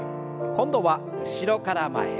今度は後ろから前へ。